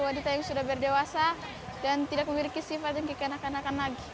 menjadi wanita yang sudah berdewasa dan tidak memiliki sifat yang dikenakan akan lagi